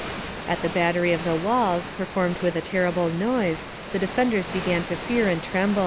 ["At the battery of the walls, performed with a terrible noise, the defenders began to fear and tremble."